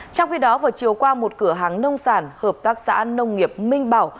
trong khi đó vào chiều qua một cửa hàng nông sản hợp tác xã nông nghiệp minh bảo